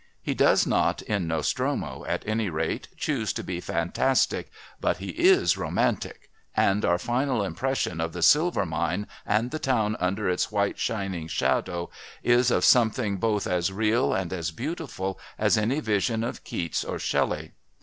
He does not, in Nostromo at any rate, choose to be fantastic, but he is romantic, and our final impression of the silver mine and the town under its white shining shadow is of something both as real and as beautiful as any vision of Keats or Shelley.